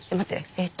えっと